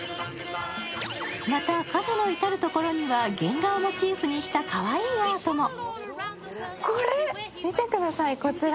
またカフェの至る所には原画をモチーフにしたかわいいアートもこれ、見てください、こちら。